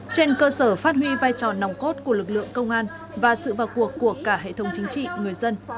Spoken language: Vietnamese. trên cơ sở phát huy vai trò nòng cốt của lực lượng công an và sự vào cuộc của cả hệ thống chính trị người dân